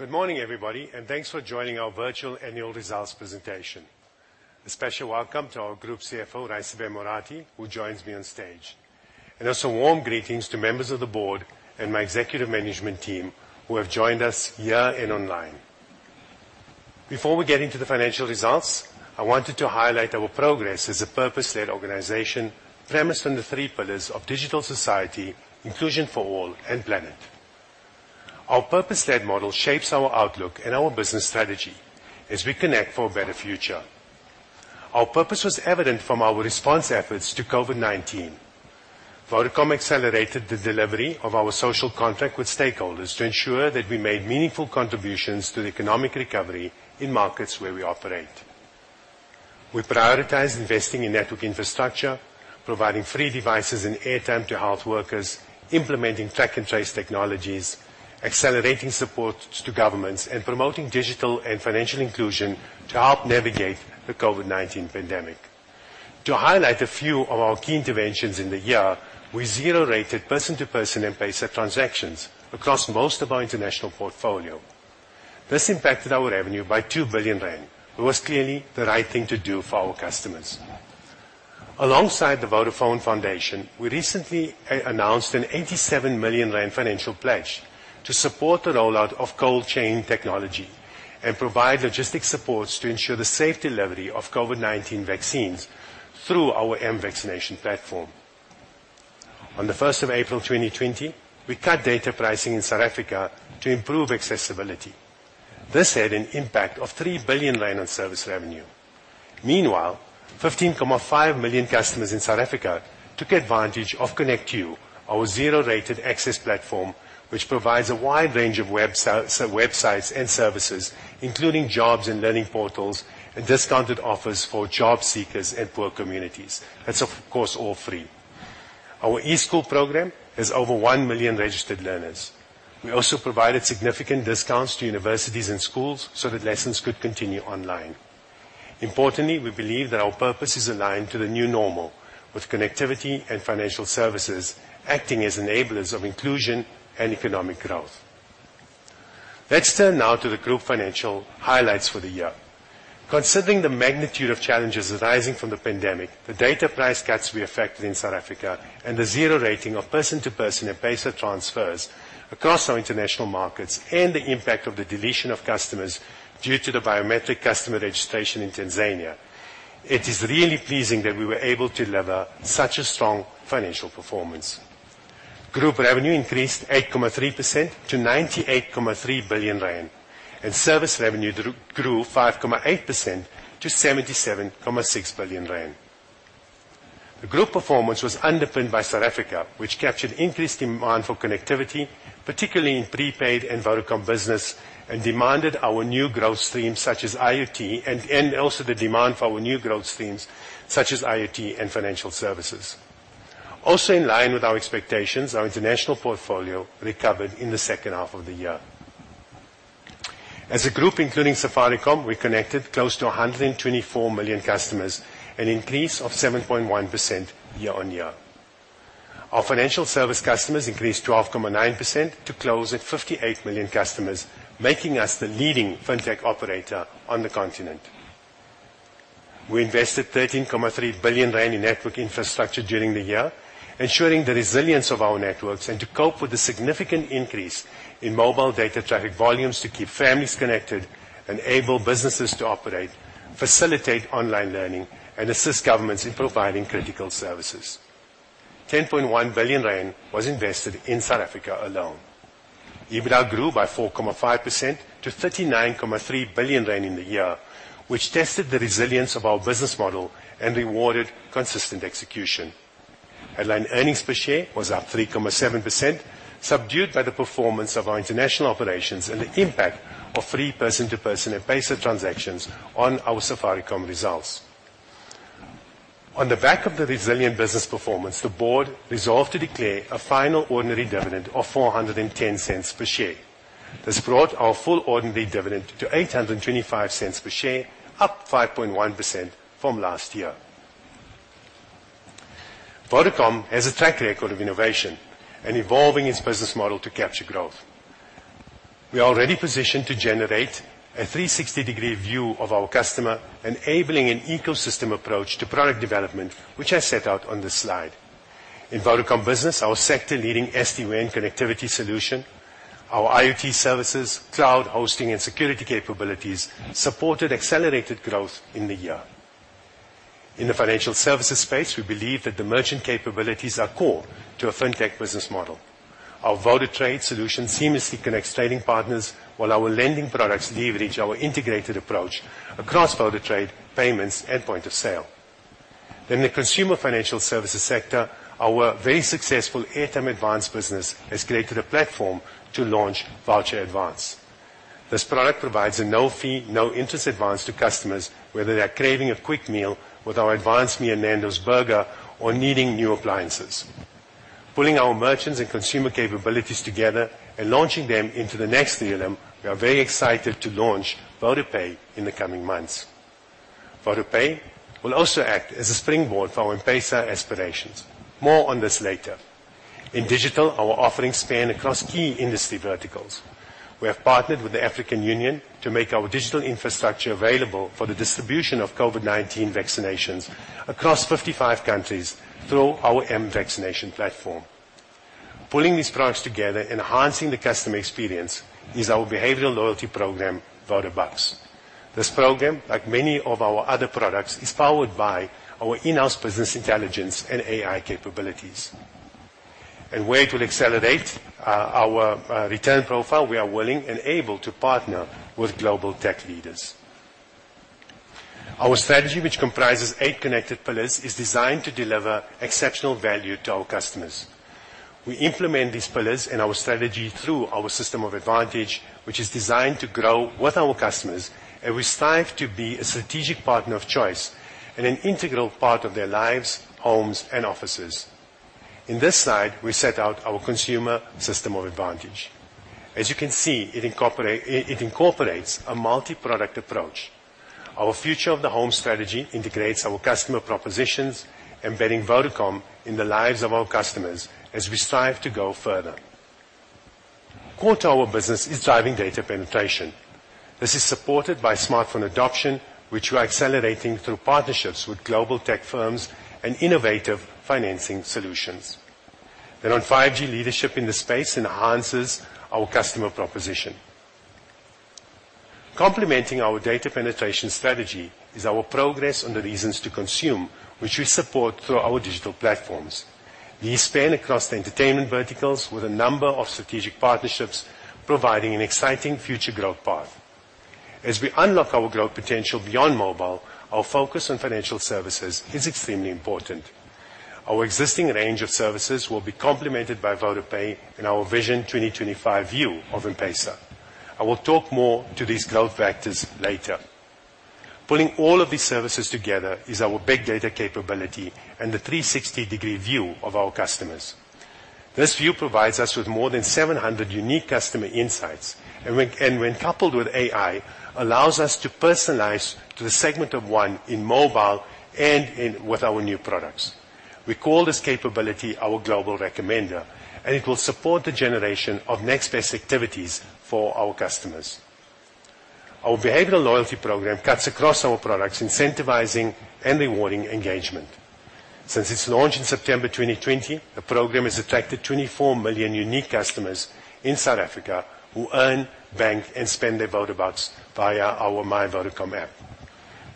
Good morning, everybody, and thanks for joining our virtual annual results presentation. A special welcome to our Group CFO, Raisibe Morathi, who joins me on stage, and also warm greetings to members of the board and my executive management team who have joined us here and online. Before we get into the financial results, I wanted to highlight our progress as a purpose-led organization premised on the three pillars of digital society, inclusion for all, and planet. Our purpose-led model shapes our outlook and our business strategy as we connect for a better future. Our purpose was evident from our response efforts to COVID-19. Vodacom accelerated the delivery of our social contract with stakeholders to ensure that we made meaningful contributions to the economic recovery in markets where we operate. We prioritized investing in network infrastructure, providing free devices and airtime to health workers, implementing track and trace technologies, accelerating support to governments, and promoting digital and financial inclusion to help navigate the COVID-19 pandemic. To highlight a few of our key interventions in the year, we zero-rated person-to-person and payslip transactions across most of our international portfolio. This impacted our revenue by 2 billion rand. It was clearly the right thing to do for our customers. Alongside the Vodafone Foundation, we recently announced a 87 million rand financial pledge to support the rollout of cold chain technology and provide logistic supports to ensure the safe delivery of COVID-19 vaccines through our mVacciNation platform. On the 1st of April 2020, we cut data pricing in South Africa to improve accessibility. This had an impact of 3 billion rand on service revenue. Meanwhile, 15.5 million customers in South Africa took advantage of ConnectU, our zero-rated access platform, which provides a wide range of websites and services, including jobs and learning portals and discounted offers for job seekers in poor communities. That's, of course, all free. Our e-School program has over 1 million registered learners. We also provided significant discounts to universities and schools so that lessons could continue online. Importantly, we believe that our purpose is aligned to the new normal, with connectivity and financial services acting as enablers of inclusion and economic growth. Let's turn now to the group financial highlights for the year. Considering the magnitude of challenges arising from the pandemic, the data price cuts we effected in South Africa, and the zero rating of person-to-person and payslip transfers across our international markets, and the impact of the deletion of customers due to the biometric customer registration in Tanzania, it is really pleasing that we were able to deliver such a strong financial performance. Group revenue increased 8.3% to 98.3 billion rand, and service revenue grew 5.8% to 77.6 billion rand. The group performance was underpinned by South Africa, which captured increased demand for connectivity, particularly in prepaid and Vodacom Business, and demanded our new growth streams such as IoT, and also the demand for our new growth streams such as IoT and financial services. Also in line with our expectations, our international portfolio recovered in the second half of the year. As a group including Safaricom, we connected close to 124 million customers, an increase of 7.1% year-on-year. Our financial service customers increased 12.9% to close at 58 million customers, making us the leading fintech operator on the continent. We invested 13.3 billion rand in network infrastructure during the year, ensuring the resilience of our networks and to cope with the significant increase in mobile data traffic volumes to keep families connected, enable businesses to operate, facilitate online learning, and assist governments in providing critical services. 10.1 billion rand was invested in South Africa alone. EBITDA grew by 4.5% to 39.3 billion rand in the year, which tested the resilience of our business model and rewarded consistent execution. Earnings per share was up 3.7%, subdued by the performance of our international operations and the impact of free person-to-person M-PESA transactions on our Safaricom results. On the back of the resilient business performance, the board resolved to declare a final ordinary dividend of 4.10 per share. This brought our full ordinary dividend to 8.25 per share, up 5.1% from last year. Vodacom has a track record of innovation and evolving its business model to capture growth. We are well positioned to generate a 360-degree view of our customer, enabling an ecosystem approach to product development, which I set out on this slide. In Vodacom Business, our sector-leading SD-WAN connectivity solution, our IoT services, cloud hosting, and security capabilities supported accelerated growth in the year. In the financial services space, we believe that the merchant capabilities are core to a fintech business model. Our VodaTrade solution seamlessly connects trading partners, while our lending products leverage our integrated approach across VodaTrade, payments, and point of sale. In the consumer financial services sector, our very successful Airtime Advance business has created a platform to launch Voucher Advance. This product provides a no-fee, no-interest advance to customers, whether they're craving a quick meal with our advanced Nando's burger or needing new appliances. Pulling our merchants and consumer capabilities together and launching them into the next realm, we are very excited to launch VodaPay in the coming months. VodaPay will also act as a springboard for our M-PESA aspirations. More on this later. In digital, our offerings span across key industry verticals. We have partnered with the African Union to make our digital infrastructure available for the distribution of COVID-19 vaccinations across 55 countries through our mVacciNation platform. Pulling these products together and enhancing the customer experience is our behavioral loyalty program, VodaBucks. This program, like many of our other products, is powered by our in-house business intelligence and AI capabilities. Where to accelerate our return profile, we are willing and able to partner with global tech leaders. Our strategy, which comprises eight connected pillars, is designed to deliver exceptional value to our customers. We implement these pillars and our strategy through our system of advantage, which is designed to grow with our customers, and we strive to be a strategic partner of choice and an integral part of their lives, homes, and offices. In this slide, we set out our consumer system of advantage. As you can see, it incorporates a multi-product approach. Our future of the home strategy integrates our customer propositions, embedding Vodacom in the lives of our customers as we strive to go further. Core to our business is driving data penetration. This is supported by smartphone adoption, which we are accelerating through partnerships with global tech firms and innovative financing solutions. On 5G leadership in the space enhances our customer proposition. Complementing our data penetration strategy is our progress and the reasons to consume, which we support through our digital platforms. These span across the entertainment verticals with a number of strategic partnerships providing an exciting future growth path. As we unlock our growth potential beyond mobile, our focus on financial services is extremely important. Our existing range of services will be complemented by VodaPay and our Vision 2025 view of M-PESA. I will talk more to these growth vectors later. Pulling all of these services together is our big data capability and the 360-degree view of our customers. This view provides us with more than 700 unique customer insights, and when coupled with AI, allows us to personalize to the segment of one in mobile and with our new products. We call this capability our Global Recommender, and it will support the generation of next-best activities for our customers. Our behavioral loyalty program cuts across our products, incentivizing and rewarding engagement. Since its launch in September 2020, the program has attracted 24 million unique customers in South Africa who earn, bank, and spend their VodaBucks via our My Vodacom app.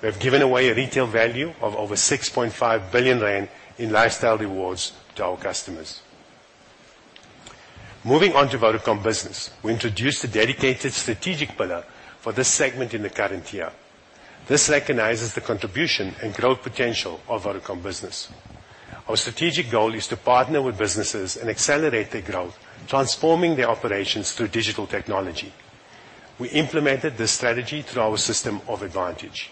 We have given away a retail value of over 6.5 billion rand in lifestyle rewards to our customers. Moving on to Vodacom Business, we introduced a dedicated strategic pillar for this segment in the current year. This recognizes the contribution and growth potential of Vodacom Business. Our strategic goal is to partner with businesses and accelerate their growth, transforming their operations through digital technology. We implemented this strategy through our system of advantage.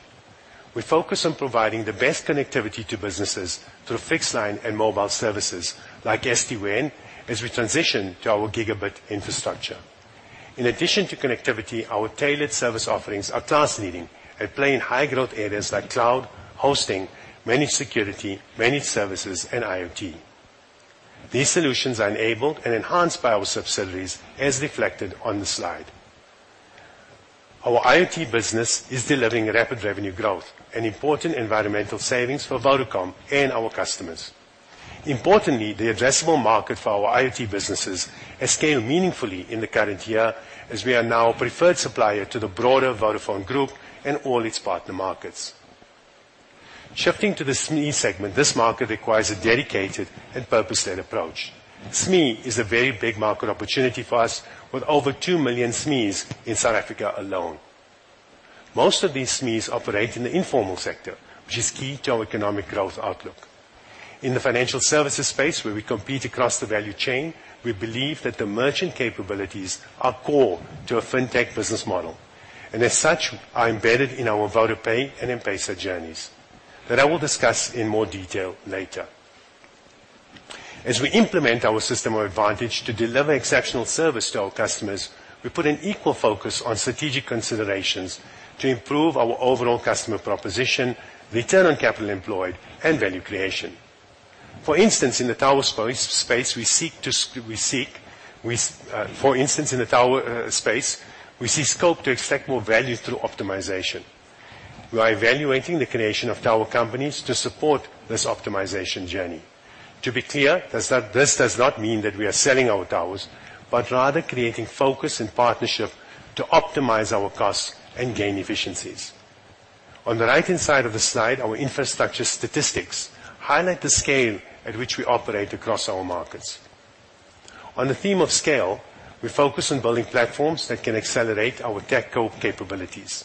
We focus on providing the best connectivity to businesses through fixed-line and mobile services like SD-WAN as we transition to our gigabit infrastructure. In addition to connectivity, our tailored service offerings are class-leading and play in high-growth areas like cloud, hosting, managed security, managed services, and IoT. These solutions are enabled and enhanced by our subsidiaries, as reflected on the slide. Our IoT business is delivering rapid revenue growth and important environmental savings for Vodacom and our customers. Importantly, the addressable market for our IoT businesses has scaled meaningfully in the current year, as we are now a preferred supplier to the broader Vodafone Group and all its partner markets. Shifting to the SME segment, this market requires a dedicated and purpose-led approach. SME is a very big market opportunity for us, with over 2 million SMEs in South Africa alone. Most of these SMEs operate in the informal sector, which is key to our economic growth outlook. In the financial services space where we compete across the value chain, we believe that the merchant capabilities are core to a fintech business model, and as such, are embedded in our VodaPay and M-PESA journeys that I will discuss in more detail later. As we implement our system of advantage to deliver exceptional service to our customers, we put an equal focus on strategic considerations to improve our overall customer proposition, return on capital employed, and value creation. For instance, in the tower space, we see scope to extract more value through optimization. We are evaluating the creation of tower companies to support this optimization journey. To be clear, this does not mean that we are selling our towers, but rather creating focus and partnership to optimize our costs and gain efficiencies. On the right-hand side of the slide, our infrastructure statistics highlight the scale at which we operate across our markets. On the theme of scale, we focus on building platforms that can accelerate our tech core capabilities.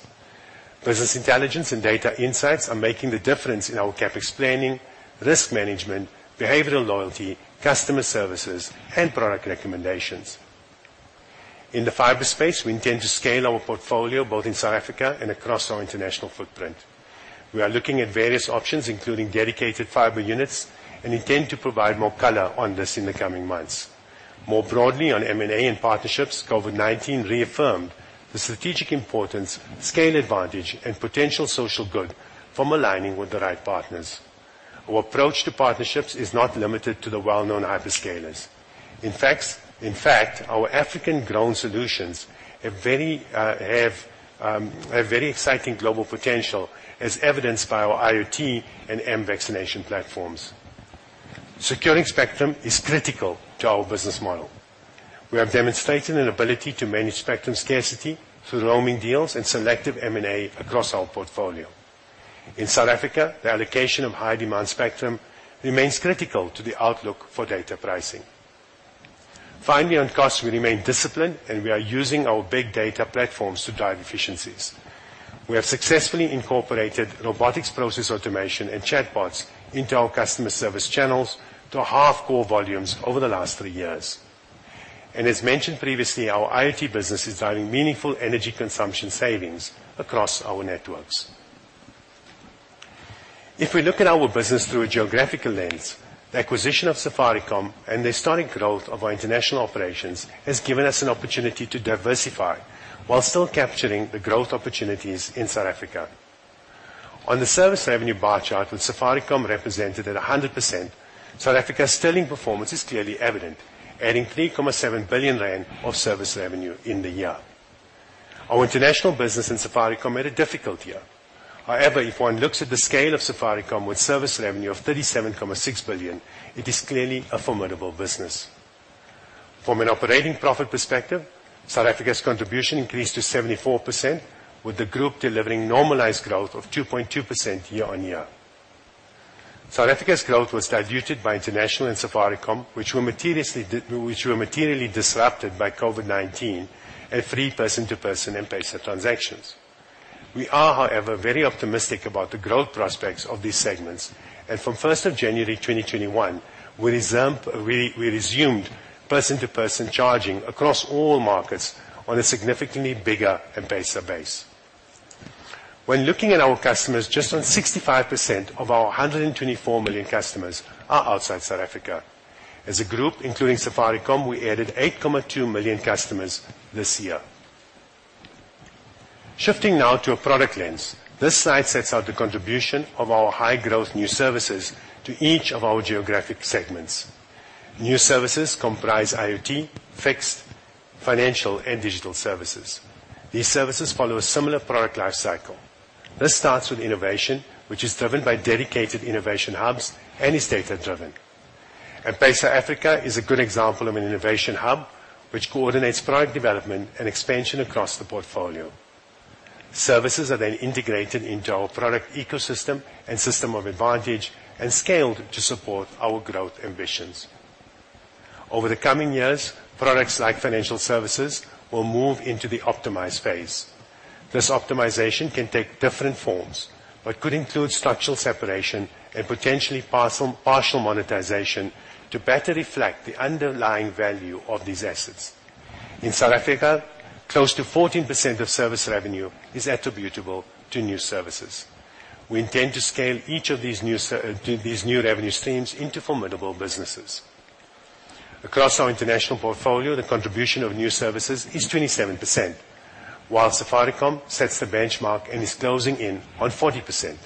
Business intelligence and data insights are making the difference in our CapEx planning, risk management, behavioral loyalty, customer services, and product recommendations. In the fiber space, we intend to scale our portfolio both in South Africa and across our international footprint. We are looking at various options, including dedicated fiber units, and intend to provide more color on this in the coming months. More broadly on M&A and partnerships, COVID-19 reaffirmed the strategic importance, scale advantage, and potential social good from aligning with the right partners. Our approach to partnerships is not limited to the well-known hyperscalers. In fact, our African-grown solutions have very exciting global potential, as evidenced by our IoT and mVacciNation platforms. Securing spectrum is critical to our business model. We have demonstrated an ability to manage spectrum scarcity through roaming deals and selective M&A across our portfolio. In South Africa, the allocation of high-demand spectrum remains critical to the outlook for data pricing. Finally, on costs, we remain disciplined, and we are using our big data platforms to drive efficiencies. We have successfully incorporated robotics process automation and chatbots into our customer service channels to halve core volumes over the last three years. As mentioned previously, our IoT business is driving meaningful energy consumption savings across our networks. If we look at our business through a geographical lens, the acquisition of Safaricom and the historic growth of our international operations has given us an opportunity to diversify while still capturing the growth opportunities in South Africa. On the service revenue bar chart, with Safaricom represented at 100%, South Africa's sterling performance is clearly evident, adding 3.7 billion rand of service revenue in the year. Our international business and Safaricom had a difficult year. However, if one looks at the scale of Safaricom with service revenue of 37.6 billion, it is clearly a formidable business. From an operating profit perspective, South Africa's contribution increased to 74%, with the group delivering normalized growth of 2.2% year-on-year. South Africa's growth was diluted by international and Safaricom, which were materially disrupted by COVID-19 and free person-to-person M-PESA transactions. We are, however, very optimistic about the growth prospects of these segments, and from 1st of January 2021, we resumed person-to-person charging across all markets on a significantly bigger M-PESA base. When looking at our customers, just on 65% of our 124 million customers are outside South Africa. As a group, including Safaricom, we added 8.2 million customers this year. Shifting now to a product lens, this slide sets out the contribution of our high-growth new services to each of our geographic segments. New services comprise IoT, fixed, financial, and digital services. These services follow a similar product life cycle. This starts with innovation, which is driven by dedicated innovation hubs and is data-driven. M-PESA Africa is a good example of an innovation hub which coordinates product development and expansion across the portfolio. Services are then integrated into our product ecosystem and system of advantage and scaled to support our growth ambitions. Over the coming years, products like financial services will move into the optimized phase. This optimization can take different forms but could include structural separation and potentially partial monetization to better reflect the underlying value of these assets. In South Africa, close to 14% of service revenue is attributable to new services. We intend to scale each of these new revenue streams into formidable businesses. Across our international portfolio, the contribution of new services is 27%, while Safaricom sets the benchmark and is closing in on 40%.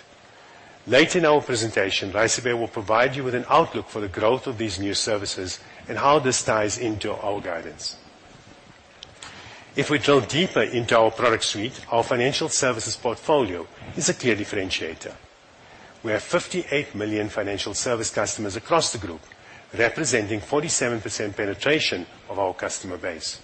Later in our presentation, Raisibe will provide you with an outlook for the growth of these new services and how this ties into our guidance. If we drill deeper into our product suite, our financial services portfolio is a clear differentiator. We have 58 million financial service customers across the group, representing 47% penetration of our customer base.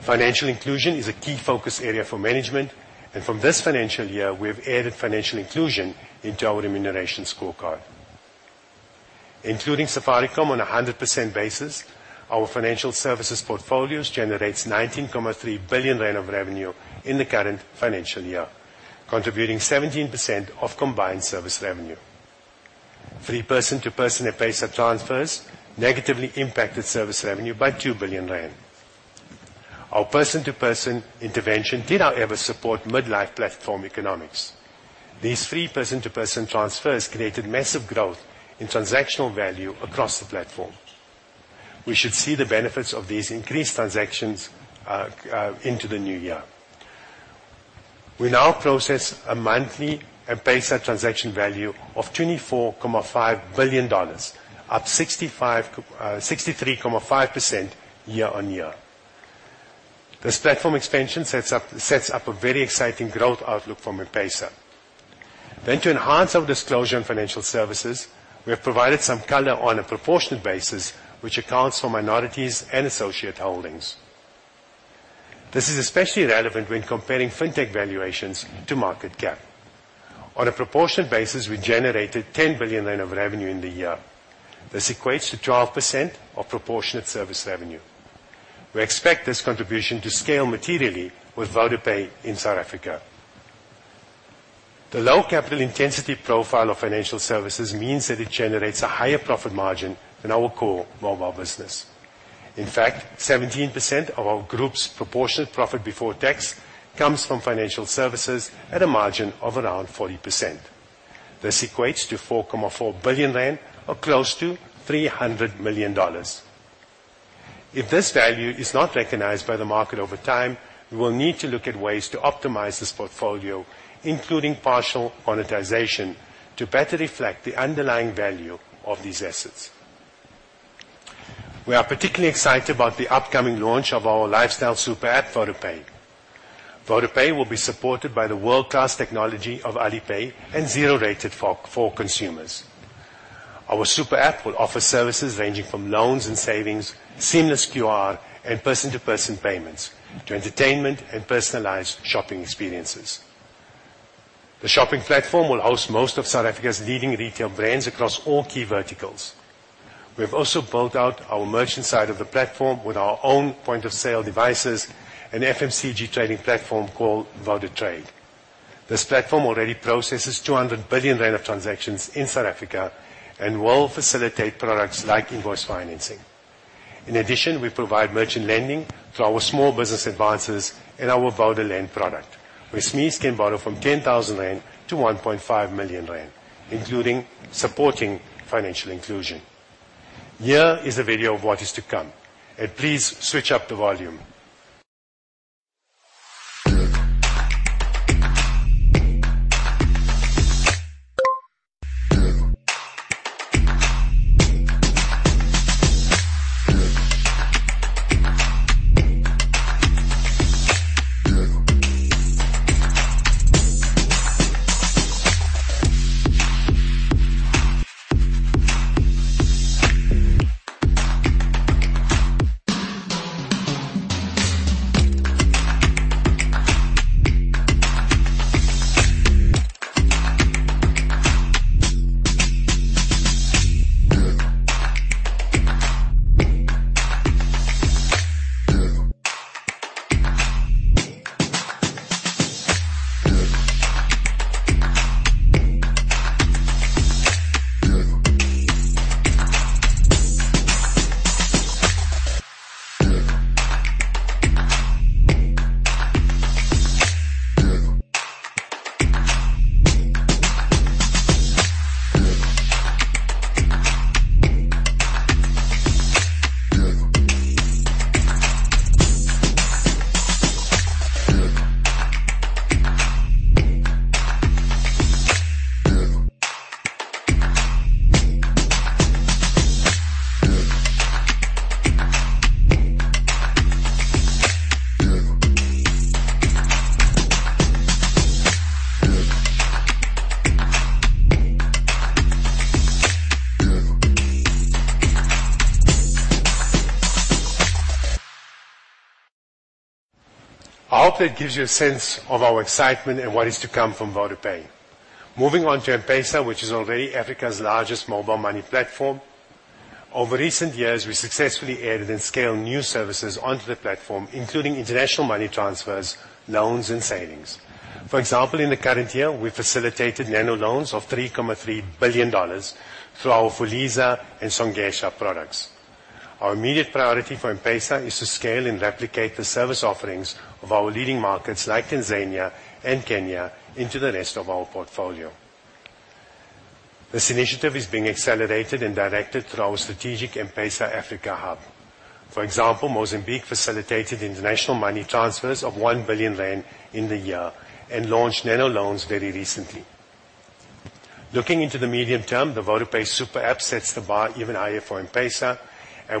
Financial inclusion is a key focus area for management, and from this financial year, we have added financial inclusion into our remuneration scorecard. Including Safaricom on a 100% basis, our financial services portfolios generates 19.3 billion rand of revenue in the current financial year, contributing 17% of combined service revenue. Free person-to-person M-PESA transfers negatively impacted service revenue by 2 billion rand. Our person-to-person intervention did, however, support midlife platform economics. These free person-to-person transfers created massive growth in transactional value across the platform. We should see the benefits of these increased transactions into the new year. We now process a monthly M-PESA transaction value of $24.5 billion, up 63.5% year-on-year. This platform expansion sets up a very exciting growth outlook for M-PESA. To enhance our disclosure in financial services, we have provided some color on a proportionate basis, which accounts for minorities and associate holdings. This is especially relevant when comparing fintech valuations to market cap. On a proportionate basis, we generated 10 billion rand of revenue in the year. This equates to 12% of proportionate service revenue. We expect this contribution to scale materially with VodaPay in South Africa. The low capital intensity profile of financial services means that it generates a higher profit margin than our core mobile business. In fact, 17% of our group's proportionate profit before tax comes from financial services at a margin of around 40%. This equates to 4.4 billion rand, or close to $300 million. If this value is not recognized by the market over time, we will need to look at ways to optimize this portfolio, including partial monetization, to better reflect the underlying value of these assets. We are particularly excited about the upcoming launch of our lifestyle super app, VodaPay. VodaPay will be supported by the world-class technology of Alipay and zero-rated for consumers. Our super app will offer services ranging from loans and savings, seamless QR, and person-to-person payments to entertainment and personalized shopping experiences. The shopping platform will house most of South Africa's leading retail brands across all key verticals. We have also built out our merchant side of the platform with our own point-of-sale devices and FMCG trading platform called VodaTrade. This platform already processes 200 billion rand of transactions in South Africa and will facilitate products like invoice financing. In addition, we provide merchant lending to our small business advisors and our VodaLend product, where SMEs can borrow from 10,000-1.5 million rand, including supporting financial inclusion. Here is a video of what is to come. Please switch up the volume. I hope that gives you a sense of our excitement and what is to come from VodaPay. Moving on to M-PESA, which is already Africa's largest mobile money platform. Over recent years, we successfully added and scaled new services onto the platform, including international money transfers, loans, and savings. For example, in the current year, we facilitated nano loans of $3.3 billion through our Fuliza and Songesha products. Our immediate priority for M-PESA is to scale and replicate the service offerings of our leading markets like Tanzania and Kenya into the rest of our portfolio. This initiative is being accelerated and directed through our strategic M-PESA Africa hub. For example, Mozambique facilitated international money transfers of 1 billion rand in the year and launched nano loans very recently. Looking into the medium term, the VodaPay super app sets the bar even higher for M-PESA, and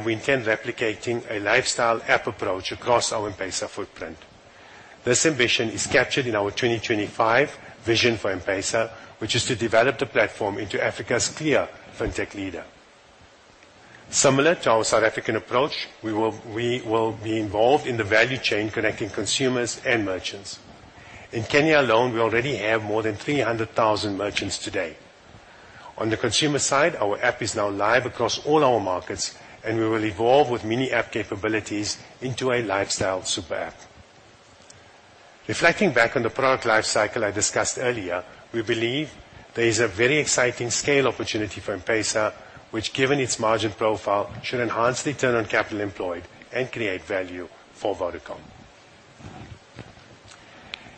we intend replicating a lifestyle app approach across our M-PESA footprint. This ambition is captured in our Vision 2025 for M-PESA, which is to develop the platform into Africa's clear fintech leader. Similar to our South African approach, we will be involved in the value chain connecting consumers and merchants. In Kenya alone, we already have more than 300,000 merchants today. On the consumer side, our app is now live across all our markets, and we will evolve with mini-app capabilities into a lifestyle super app. Reflecting back on the product life cycle I discussed earlier, we believe there is a very exciting scale opportunity for M-PESA, which given its margin profile, should enhance return on capital employed and create value for Vodacom.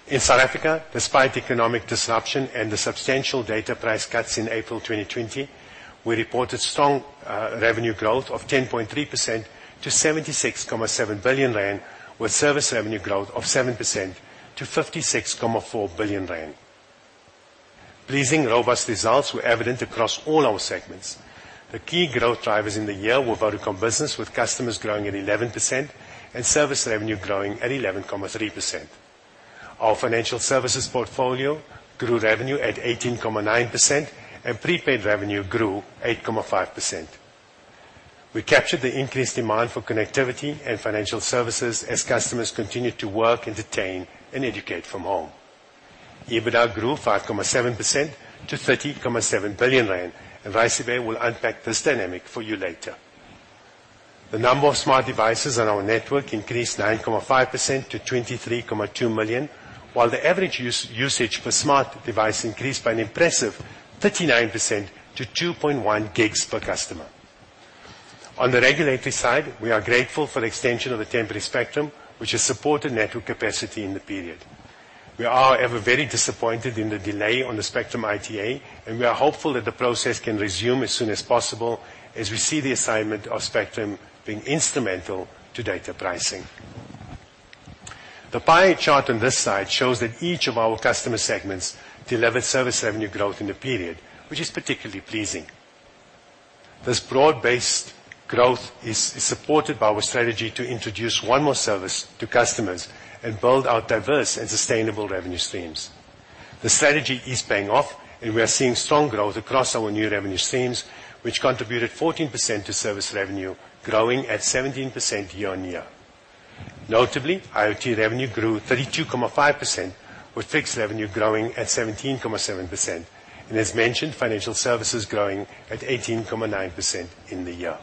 In South Africa, despite economic disruption and the substantial data price cuts in April 2020, we reported strong revenue growth of 10.3% to 76.7 billion rand with service revenue growth of 7% to 56.4 billion rand. Pleasing, robust results were evident across all our segments. The key growth drivers in the year were Vodacom Business with customers growing at 11% and service revenue growing at 11.3%. Our financial services portfolio grew revenue at 18.9% and prepaid revenue grew 8.5%. We captured the increased demand for connectivity and financial services as customers continued to work, entertain, and educate from home. EBITDA grew 5.7% to ZAR 30.7 billion. Raisibe will unpack this dynamic for you later. The number of smart devices on our network increased 9.5% to 23.2 million, while the average usage per smart device increased by an impressive 39% to 2.1 GB per customer. On the regulatory side, we are grateful for the extension of the temporary spectrum, which has supported network capacity in the period. We are, however, very disappointed in the delay on the spectrum ITA. We are hopeful that the process can resume as soon as possible as we see the assignment of spectrum being instrumental to data pricing. The pie chart on this slide shows that each of our customer segments delivered service revenue growth in the period, which is particularly pleasing. This broad-based growth is supported by our strategy to introduce one more service to customers and build out diverse and sustainable revenue streams. The strategy is paying off, and we are seeing strong growth across our new revenue streams, which contributed 14% to service revenue growing at 17% year-on-year. Notably, IoT revenue grew 32.5%, with fixed revenue growing at 17.7% and, as mentioned, financial services growing at 18.9% in the year.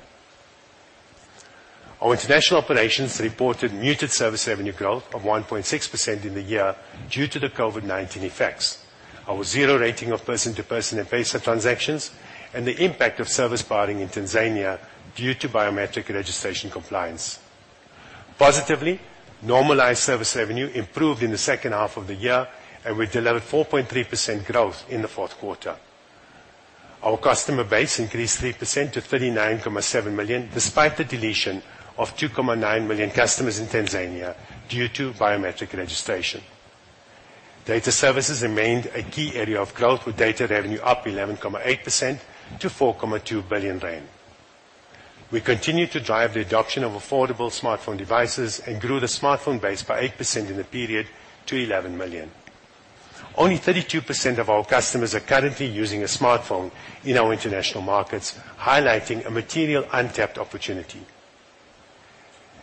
Our international operations reported muted service revenue growth of 1.6% in the year due to the COVID-19 effects, our zero rating of person-to-person M-PESA transactions and the impact of service barring in Tanzania due to biometric registration compliance. Positively, normalized service revenue improved in the second half of the year, and we delivered 4.3% growth in the fourth quarter. Our customer base increased 3% to 39.7 million, despite the deletion of 2.9 million customers in Tanzania due to biometric registration. Data services remained a key area of growth, with data revenue up 11.8% to 4.2 billion rand. We continued to drive the adoption of affordable smartphone devices and grew the smartphone base by 8% in the period to 11 million. Only 32% of our customers are currently using a smartphone in our international markets, highlighting a material untapped opportunity.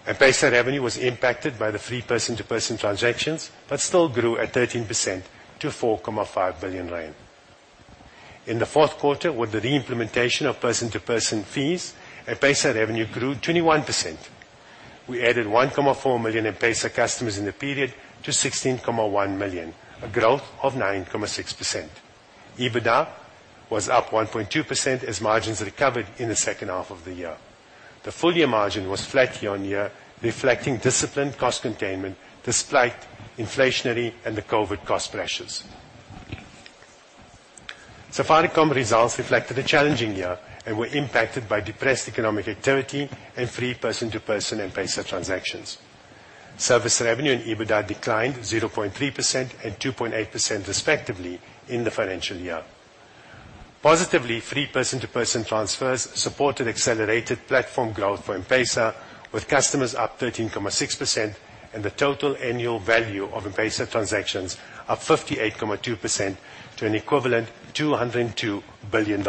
M-PESA revenue was impacted by the free person-to-person transactions but still grew at 13% to 4.5 billion rand. In the fourth quarter, with the re-implementation of person-to-person fees, M-PESA revenue grew 21%. We added 1.4 million M-PESA customers in the period to 16.1 million, a growth of 9.6%. EBITDA was up 1.2% as margins recovered in the second half of the year. The full-year margin was flat year-on-year, reflecting disciplined cost containment despite inflationary and the COVID cost pressures. Safaricom results reflected a challenging year and were impacted by depressed economic activity and free person-to-person M-PESA transactions. Service revenue and EBITDA declined 0.3% and 2.8% respectively in the financial year. Positively, free person-to-person transfers supported accelerated platform growth for M-PESA, with customers up 13.6% and the total annual value of M-PESA transactions up 58.2% to an equivalent $202 billion.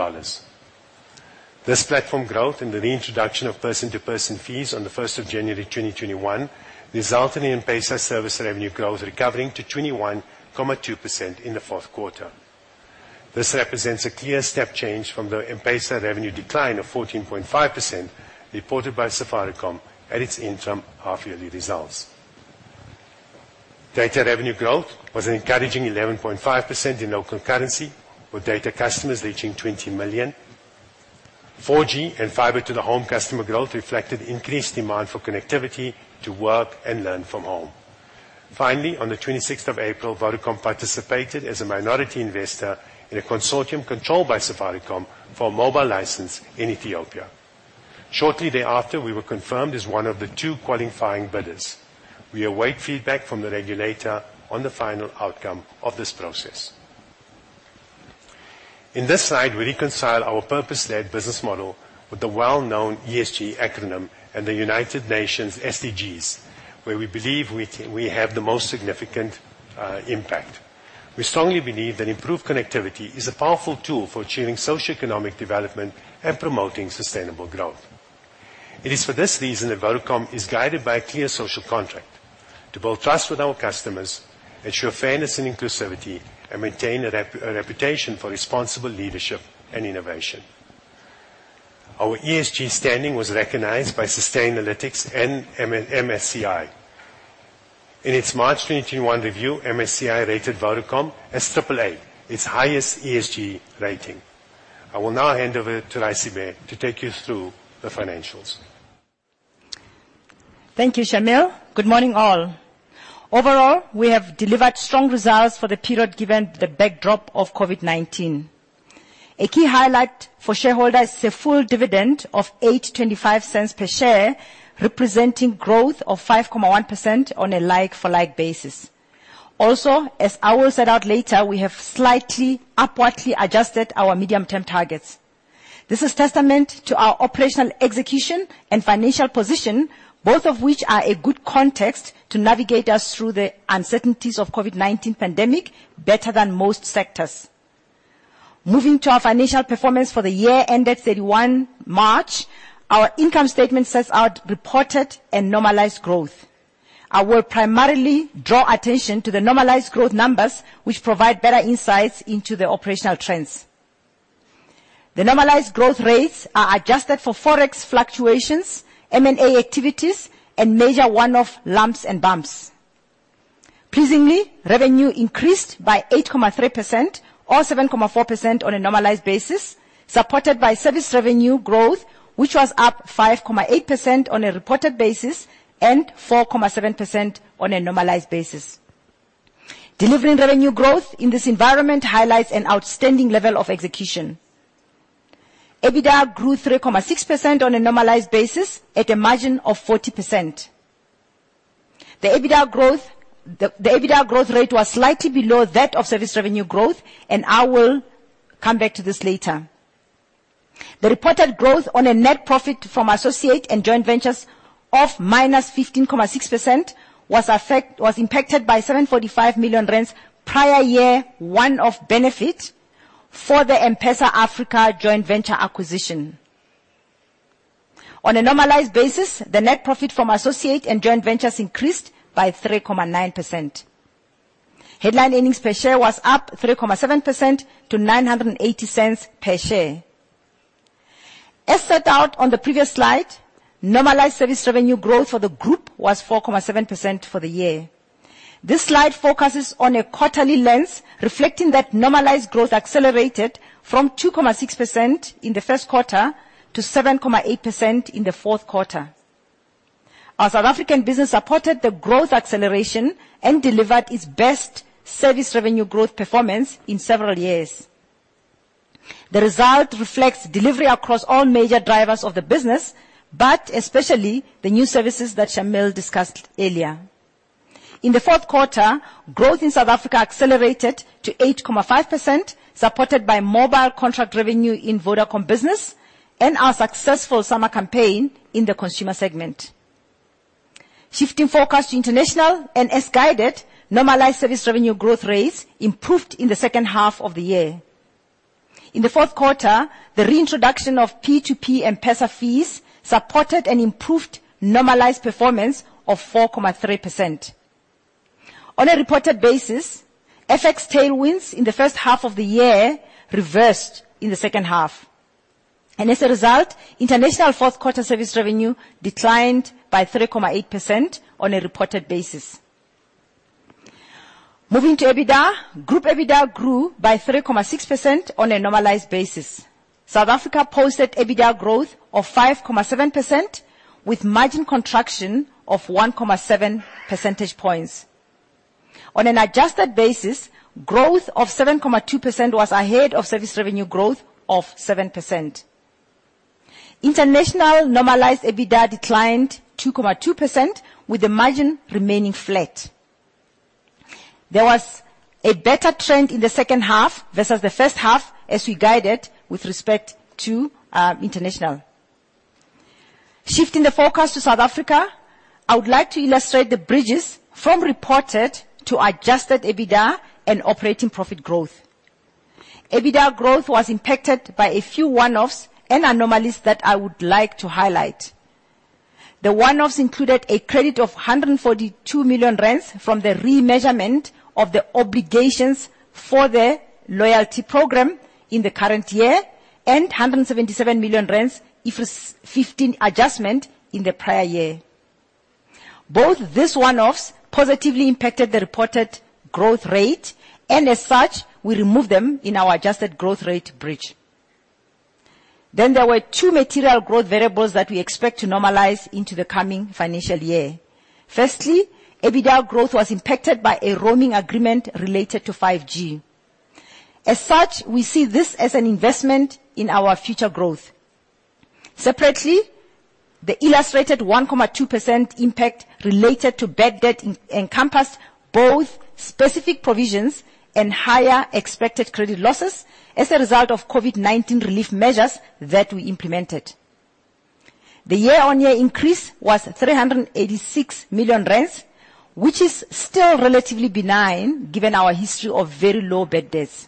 This platform growth and the reintroduction of person-to-person fees on the 1st of January 2021 result in M-PESA service revenue growth recovering to 21.2% in the fourth quarter. This represents a clear step change from the M-PESA revenue decline of 14.5% reported by Safaricom at its interim half yearly results. Data revenue growth was an encouraging 11.5% in local currency, with data customers reaching 20 million. 4G and fiber to the home customer growth reflected increased demand for connectivity to work and learn from home. On the 26th of April, Vodacom participated as a minority investor in a consortium controlled by Safaricom for a mobile license in Ethiopia. Shortly thereafter, we were confirmed as one of the two qualifying bidders. We await feedback from the regulator on the final outcome of this process. In this slide, we reconcile our purpose-led business model with the well-known ESG acronym and the United Nations SDGs, where we believe we have the most significant impact. We strongly believe that improved connectivity is a powerful tool for achieving socioeconomic development and promoting sustainable growth. It is for this reason that Vodacom is guided by a clear social contract to build trust with our customers, ensure fairness and inclusivity, and maintain a reputation for responsible leadership and innovation. Our ESG standing was recognized by Sustainalytics and MSCI. In its March 2021 review, MSCI rated Vodacom as AAA, its highest ESG rating. I will now hand over to Raisibe to take you through the financials. Thank you, Shameel. Good morning, all. Overall, we have delivered strong results for the period given the backdrop of COVID-19. A key highlight for shareholders is the full dividend of 8.25 per share, representing growth of 5.1% on a like-for-like basis. Also, as I will set out later, we have slightly upwardly adjusted our medium-term targets. This is testament to our operational execution and financial position, both of which are a good context to navigate us through the uncertainties of COVID-19 pandemic better than most sectors. Moving to our financial performance for the year ended 31 March, our income statement sets out reported and normalized growth. I will primarily draw attention to the normalized growth numbers, which provide better insights into the operational trends. The normalized growth rates are adjusted for Forex fluctuations, M&A activities, and major one-off lumps and bumps. Pleasingly, revenue increased by 8.3% or 7.4% on a normalized basis, supported by service revenue growth, which was up 5.8% on a reported basis and 4.7% on a normalized basis. Delivering revenue growth in this environment highlights an outstanding level of execution. EBITDA grew 3.6% on a normalized basis at a margin of 40%. The EBITDA growth rate was slightly below that of service revenue growth, and I will come back to this later. The reported growth on a net profit from associates and joint ventures of -15.6% was impacted by 745 million rand prior year one off benefit for the M-PESA Africa joint venture acquisition. On a normalized basis, the net profit from associates and joint ventures increased by 3.9%. Headline earnings per share was up 3.7% to 9.80 per share. As set out on the previous slide, normalized service revenue growth for the group was 4.7% for the year. This slide focuses on a quarterly lens, reflecting that normalized growth accelerated from 2.6% in the first quarter to 7.8% in the fourth quarter. Our South African business supported the growth acceleration and delivered its best service revenue growth performance in several years. The result reflects delivery across all major drivers of the business, but especially the new services that Shameel discussed earlier. In the fourth quarter, growth in South Africa accelerated to 8.5%, supported by mobile contract revenue in Vodacom Business and our successful summer campaign in the consumer segment. Shifting focus to international, and as guided, normalized service revenue growth rates improved in the second half of the year. In the fourth quarter, the reintroduction of P2P M-PESA fees supported an improved normalized performance of 4.3%. On a reported basis, FX tailwinds in the first half of the year reversed in the second half. As a result, international fourth quarter service revenue declined by 3.8% on a reported basis. Moving to EBITDA, group EBITDA grew by 3.6% on a normalized basis. South Africa posted EBITDA growth of 5.7% with margin contraction of 1.7 percentage points. On an adjusted basis, growth of 7.2% was ahead of service revenue growth of 7%. International normalized EBITDA declined 2.2% with the margin remaining flat. There was a better trend in the second half versus the first half as we guided with respect to international. Shifting the focus to South Africa, I would like to illustrate the bridges from reported to adjusted EBITDA and operating profit growth. EBITDA growth was impacted by a few one-offs and anomalies that I would like to highlight. The one-offs included a credit of 142 million rand from the re-measurement of the obligations for the loyalty program in the current year, and 177 million rand IFRS 15 adjustment in the prior year. Both these one-offs positively impacted the reported growth rate, and as such, we remove them in our adjusted growth rate bridge. Then, there were two material growth variables that we expect to normalize into the coming financial year. Firstly, EBITDA growth was impacted by a roaming agreement related to 5G. As such, we see this as an investment in our future growth. Separately, the illustrated 1.2% impact related to bad debt encompassed both specific provisions and higher expected credit losses as a result of COVID-19 relief measures that we implemented. The year-on-year increase was 386 million rand, which is still relatively benign given our history of very low bad debts.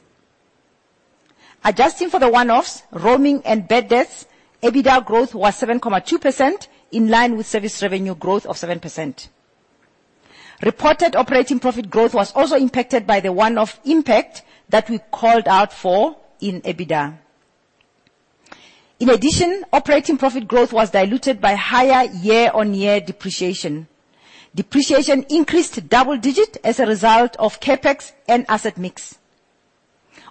Adjusting for the one-offs, roaming, and bad debts, EBITDA growth was 7.2%, in line with service revenue growth of 7%. Reported operating profit growth was also impacted by the one-off impact that we called out for in EBITDA. In addition, operating profit growth was diluted by higher year-on-year depreciation. Depreciation increased to double digit as a result of CapEx and asset mix.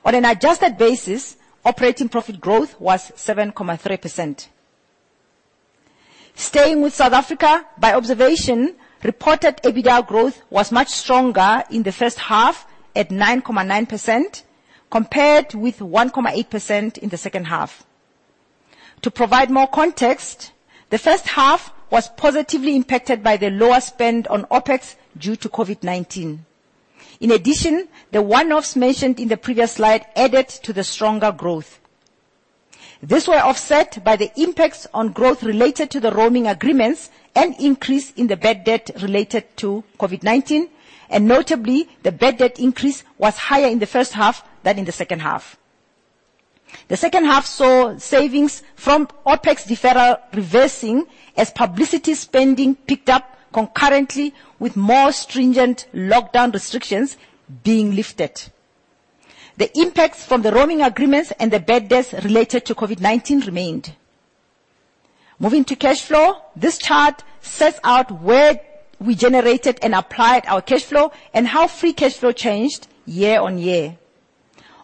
On an adjusted basis, operating profit growth was 7.3%. Staying with South Africa, by observation, reported EBITDA growth was much stronger in the first half at 9.9%, compared with 1.8% in the second half. To provide more context, the first half was positively impacted by the lower spend on OpEx due to COVID-19. In addition, the one-offs mentioned in the previous slide added to the stronger growth. These were offset by the impacts on growth related to the roaming agreements and increase in the bad debt related to COVID-19, and notably, the bad debt increase was higher in the first half than in the second half. The second half saw savings from OpEx deferral reversing as publicity spending picked up concurrently with more stringent lockdown restrictions being lifted. The impacts from the roaming agreements and the bad debts related to COVID-19 remained. Moving to cash flow, this chart sets out where we generated and applied our cash flow and how free cash flow changed year-on-year.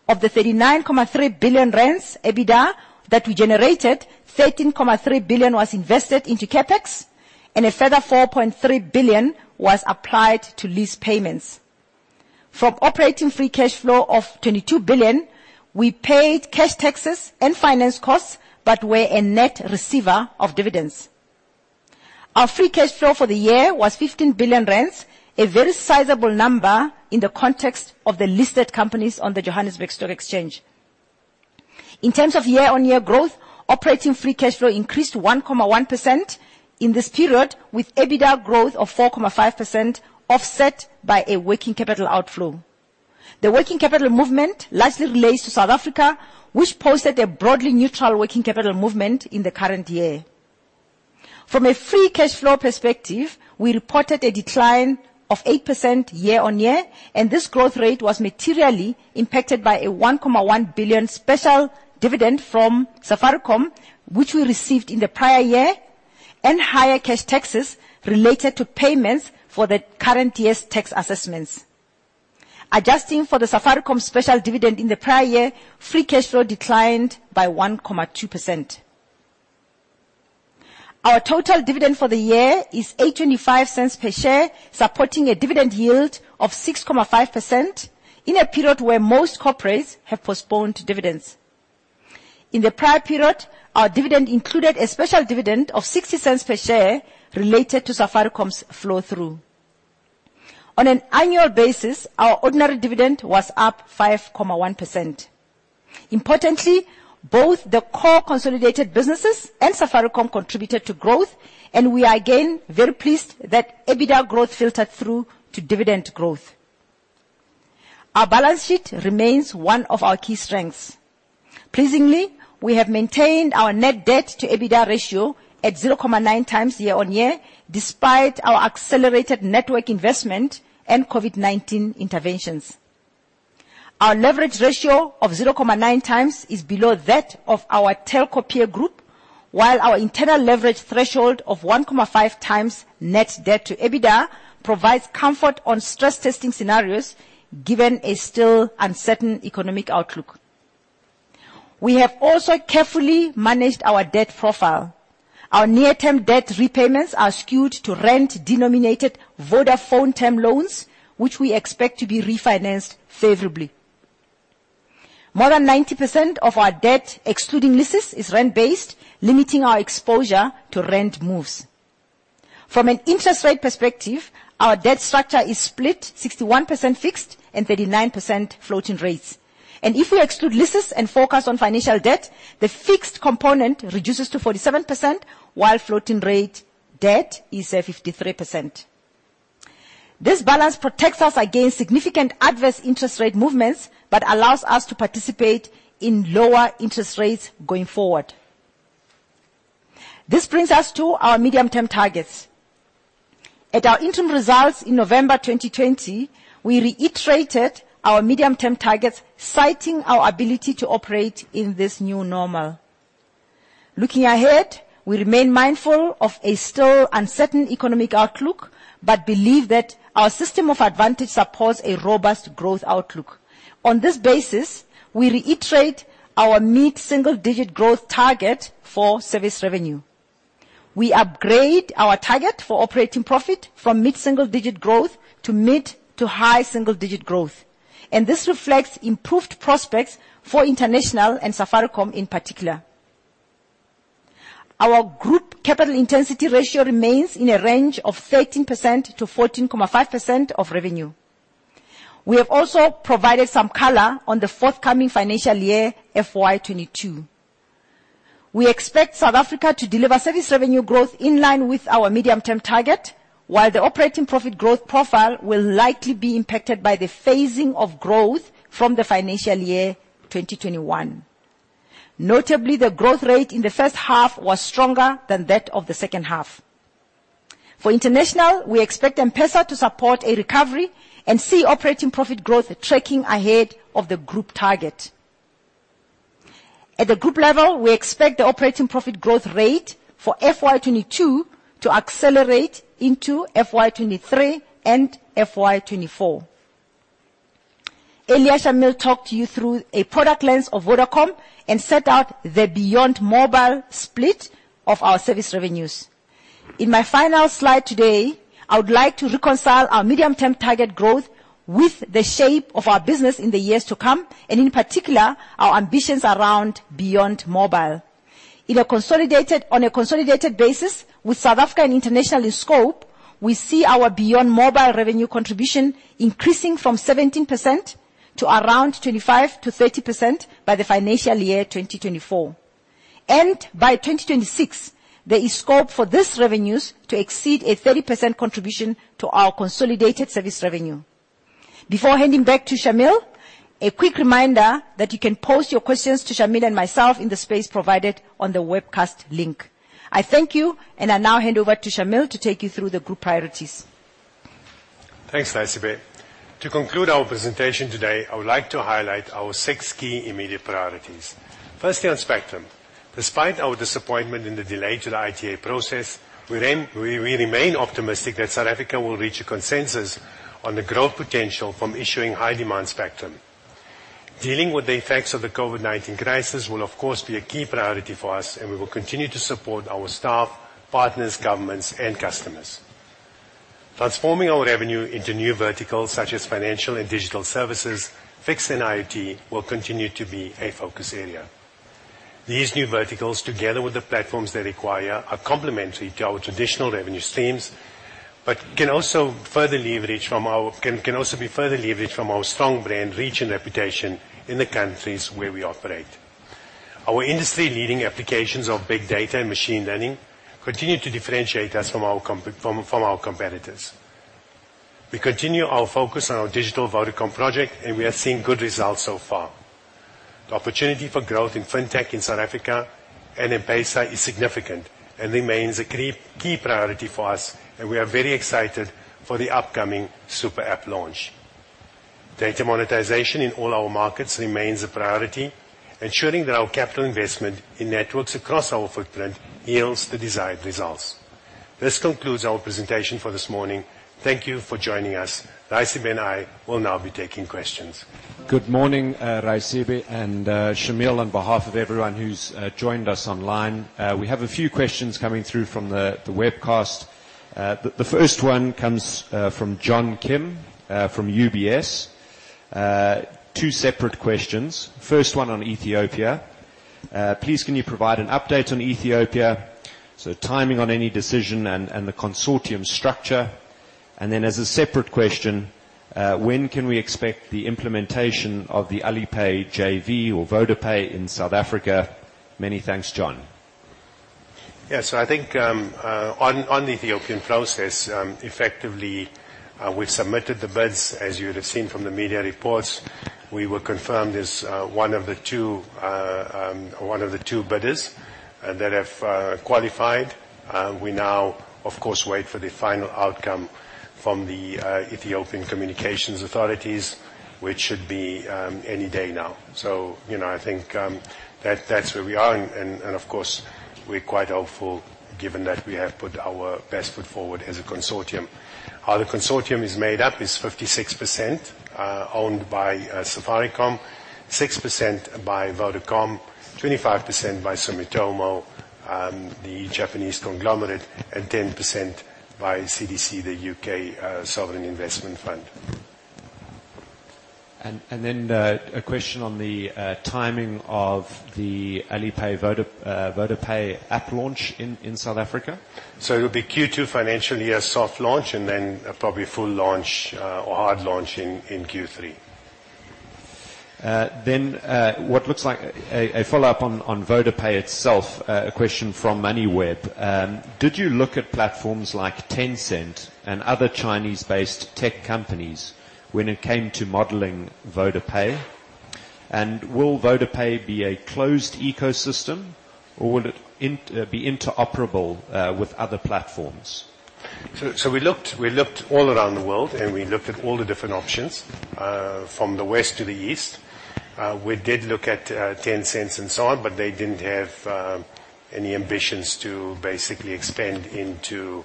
Of the 39.3 billion rand EBITDA that we generated, 13.3 billion was invested into CapEx, and a further 4.3 billion was applied to lease payments. From operating free cash flow of 22 billion, we paid cash taxes and finance costs but were a net receiver of dividends. Our free cash flow for the year was 15 billion rand, a very sizable number in the context of the listed companies on the Johannesburg Stock Exchange. In terms of year-on-year growth, operating free cash flow increased to 1.1% in this period, with EBITDA growth of 4.5% offset by a working capital outflow. The working capital movement largely relates to South Africa, which posted a broadly neutral working capital movement in the current year. From a free cash flow perspective, we reported a decline of 8% year-on-year. This growth rate was materially impacted by a 1.1 billion special dividend from Safaricom, which we received in the prior year, and higher cash taxes related to payments for the current year's tax assessments. Adjusting for the Safaricom special dividend in the prior year, free cash flow declined by 1.2%. Our total dividend for the year is 0.85 per share, supporting a dividend yield of 6.5% in a period where most corporates have postponed dividends. In the prior period, our dividend included a special dividend of 0.60 per share related to Safaricom's flow-through. On an annual basis, our ordinary dividend was up 5.1%. Importantly, both the core consolidated businesses and Safaricom contributed to growth, and we are again very pleased that EBITDA growth filtered through to dividend growth. Our balance sheet remains one of our key strengths. Pleasingly, we have maintained our net debt to EBITDA ratio at 0.9 times year-on-year, despite our accelerated network investment and COVID-19 interventions. Our leverage ratio of 0.9 times is below that of our telco peer group, while our internal leverage threshold of 1.5 times net debt to EBITDA provides comfort on stress testing scenarios, given a still uncertain economic outlook. We have also carefully managed our debt profile. Our near-term debt repayments are skewed to rand-denominated Vodafone term loans, which we expect to be refinanced favorably. More than 90% of our debt, excluding leases, is rand-based, limiting our exposure to rand moves. From an interest rate perspective, our debt structure is split 61% fixed and 39% floating rates. If we exclude leases and focus on financial debt, the fixed component reduces to 47%, while floating rate debt is at 53%. This balance protects us against significant adverse interest rate movements but allows us to participate in lower interest rates going forward. This brings us to our medium-term targets. At our interim results in November 2020, we reiterated our medium-term targets, citing our ability to operate in this new normal. Looking ahead, we remain mindful of a still uncertain economic outlook but believe that our system of advantage supports a robust growth outlook. On this basis, we reiterate our mid-single-digit growth target for service revenue. We upgrade our target for operating profit from mid-single-digit growth to mid to high single-digit growth. This reflects improved prospects for international and Safaricom in particular. Our group capital intensity ratio remains in a range of 13%-14.5% of revenue. We have also provided some color on the forthcoming financial year, FY22. We expect South Africa to deliver service revenue growth in line with our medium-term target, while the operating profit growth profile will likely be impacted by the phasing of growth from the financial year 2021. Notably, the growth rate in the first half was stronger than that of the second half. For international, we expect M-PESA to support a recovery and see operating profit growth tracking ahead of the group target. At the group level, we expect the operating profit growth rate for FY 2022 to accelerate into FY 2023 and FY 2024. Later, Shameel will talk to you through a product lens of Vodacom and set out the beyond mobile split of our service revenues. In my final slide today, I would like to reconcile our medium-term target growth with the shape of our business in the years to come, and in particular, our ambitions around beyond mobile. On a consolidated basis with South Africa and international in scope, we see our beyond mobile revenue contribution increasing from 17% to around 25%-30% by the financial year 2024. By 2026, there is scope for these revenues to exceed a 30% contribution to our consolidated service revenue. Before handing back to Shameel, a quick reminder that you can pose your questions to Shameel and myself in the space provided on the webcast link. I thank you, and I now hand over to Shameel to take you through the group priorities. Thanks, Raisibe. To conclude our presentation today, I would like to highlight our six key immediate priorities. Firstly, on spectrum. Despite our disappointment in the delay to the ITA process, we remain optimistic that South Africa will reach a consensus on the growth potential from issuing high-demand spectrum. Dealing with the effects of the COVID-19 crisis will, of course, be a key priority for us, and we will continue to support our staff, partners, governments, and customers. Transforming our revenue into new verticals such as financial and digital services, fixed and IoT will continue to be a focus area. These new verticals, together with the platforms they require, are complementary to our traditional revenue streams, but can also be further leveraged from our strong brand, reach, and reputation in the countries where we operate. Our industry-leading applications of big data and machine learning continue to differentiate us from our competitors. We continue our focus on our Digital Vodacom project, and we are seeing good results so far. The opportunity for growth in fintech in South Africa and M-PESA is significant and remains a key priority for us, and we are very excited for the upcoming super app launch. Data monetization in all our markets remains a priority, ensuring that our capital investment in networks across our footprint yields the desired results. This concludes our presentation for this morning. Thank you for joining us. Raisibe and I will now be taking questions. Good morning, Raisibe and Shameel, on behalf of everyone who's joined us online. We have a few questions coming through from the webcast. The first one comes from John Kim from UBS. Two separate questions. First one on Ethiopia. Please can you provide an update on Ethiopia, so timing on any decision and the consortium structure? As a separate question, when can we expect the implementation of the Alipay JV or VodaPay in South Africa? Many thanks, John. I think on the Ethiopian process, effectively, we submitted the bids, as you would have seen from the media reports. We were confirmed as one of the two bidders that have qualified. We now, of course, wait for the final outcome from the Ethiopian Communications Authority, which should be any day now. I think that's where we are, and of course, we're quite hopeful given that we have put our best foot forward as a consortium. How the consortium is made up is 56% owned by Safaricom, 6% by Vodacom, 25% by Sumitomo, the Japanese conglomerate, and 10% by CDC, the U.K. Sovereign Investment Fund. A question on the timing of the Alipay VodaPay app launch in South Africa. It'll be Q2 financial year soft launch, and then probably full launch or hard launch in Q3. What looks like a follow-up on VodaPay itself, a question from Moneyweb. Did you look at platforms like Tencent and other Chinese-based tech companies when it came to modeling VodaPay? Will VodaPay be a closed ecosystem, or will it be interoperable with other platforms? We looked all around the world, we looked at all the different options from the West to the East. We did look at Tencent and so on, they didn't have any ambitions to basically extend into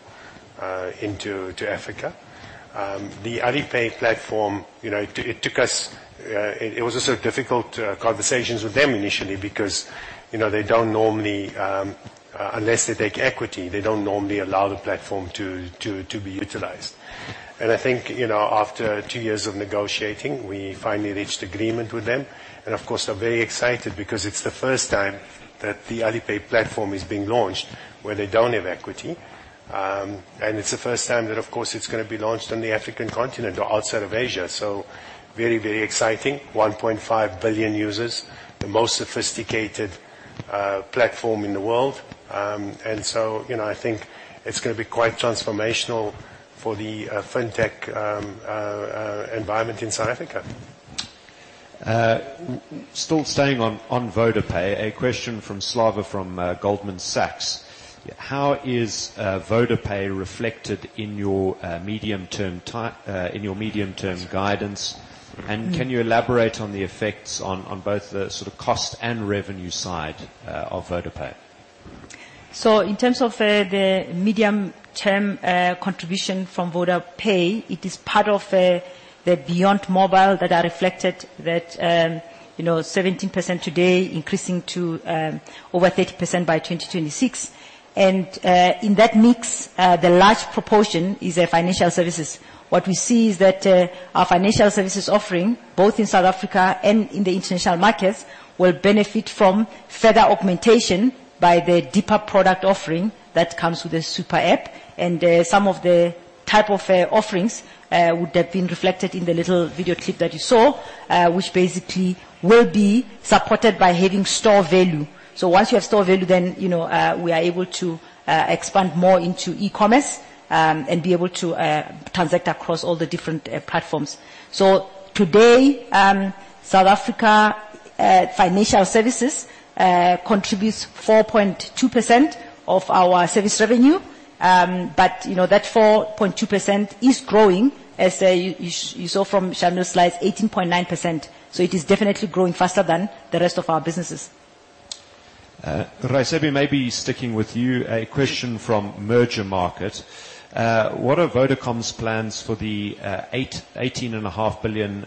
Africa. The Alipay platform, it was difficult conversations with them initially because unless they take equity, they don't normally allow the platform to be utilized. I think, after two years of negotiating, we finally reached agreement with them, of course, are very excited because it's the first time that the Alipay platform is being launched where they don't have equity. It's the first time that, of course, it's going to be launched on the African continent or outside of Asia. Very exciting. 1.5 billion users, the most sophisticated platform in the world. I think it's going to be quite transformational for the fintech environment in South Africa. Still staying on VodaPay, a question from Slava from Goldman Sachs. How is VodaPay reflected in your medium-term guidance? Can you elaborate on the effects on both the cost and revenue side of VodaPay? In terms of the medium-term contribution from VodaPay, it is part of the beyond mobile that are reflected that 17% today, increasing to over 30% by 2026. In that mix, the large proportion is financial services. What we see is that our financial services offering, both in South Africa and in the international markets, will benefit from further augmentation by the deeper product offering that comes with the super app. Some of the type of offerings would have been reflected in the little video clip that you saw, which basically will be supported by having store value. Once you have store value, then we are able to expand more into e-commerce and be able to transact across all the different platforms. Today, South Africa Financial Services contributes 4.2% of our service revenue. That 4.2% is growing, as you saw from Shameel's slides, 18.9%. It is definitely growing faster than the rest of our businesses. Raisibe, maybe sticking with you, a question from Mergermarket. What are Vodacom's plans for the 18.5 billion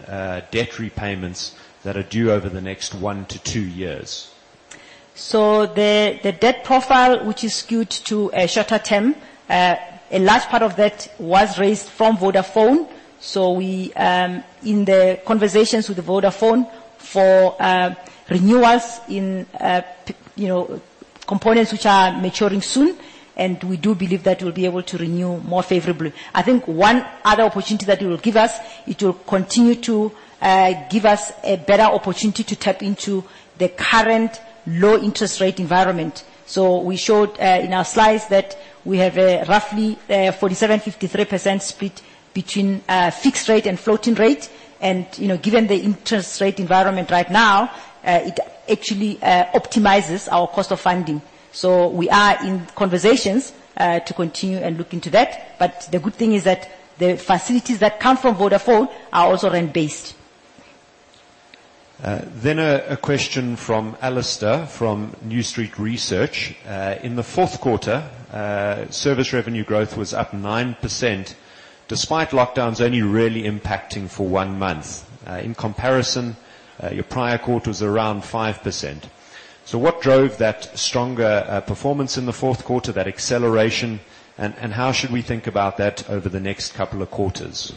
debt repayments that are due over the next one to two years? The debt profile, which is skewed to a shorter term, a large part of that was raised from Vodafone. In the conversations with Vodafone for renewals in components which are maturing soon, and we do believe that we'll be able to renew more favorably. I think one other opportunity that it will give us, it will continue to give us a better opportunity to tap into the current low interest rate environment. We showed in our slides that we have a roughly 47%/53% split between fixed rate and floating rate. Given the interest rate environment right now, it actually optimizes our cost of funding. We are in conversations to continue and look into that. The good thing is that the facilities that come from Vodafone are also rand-based. A question from Alastair from New Street Research. In the fourth quarter, service revenue growth was up 9%, despite lockdowns only really impacting for one month. In comparison, your prior quarter was around 5%. What drove that stronger performance in the fourth quarter, that acceleration, and how should we think about that over the next couple of quarters?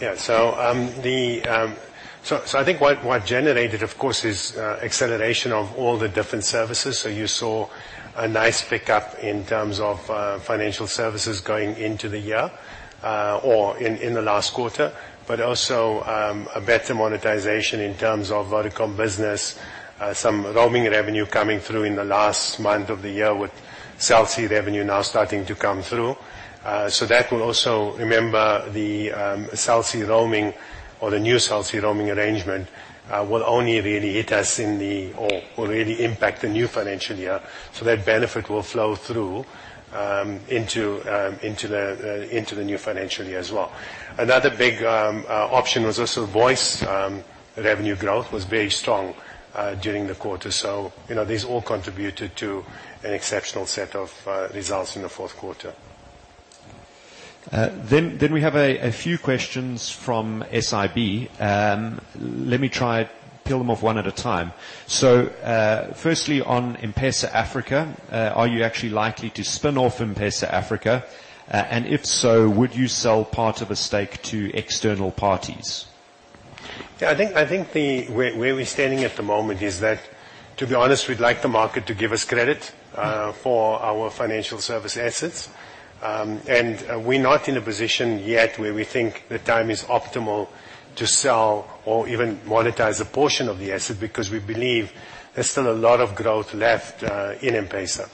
Yeah. I think what generated, of course, is acceleration of all the different services. You saw a nice pickup in terms of financial services going into the year, or in the last quarter. Also, a better monetization in terms of Vodacom Business, some roaming revenue coming through in the last month of the year with Cell C revenue now starting to come through. That will also, remember, the Cell C roaming or the new Cell C roaming arrangement will only really hit us or really impact the new financial year. That benefit will flow through into the new financial year as well. Another big option was also voice revenue growth was very strong during the quarter. These all contributed to an exceptional set of results in the fourth quarter. We have a few questions from SIB. Let me try to deal them off one at a time. Firstly, on M-PESA Africa, are you actually likely to spin off M-PESA Africa? If so, would you sell part of a stake to external parties? Yeah, I think where we're standing at the moment is that, to be honest, we'd like the market to give us credit for our financial service assets. We're not in a position yet where we think the time is optimal to sell or even monetize a portion of the asset, because we believe there's still a lot of growth left in M-PESA.